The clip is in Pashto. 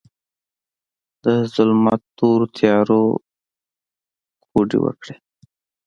د ظلمت تورو تیارو، کوډې وکړې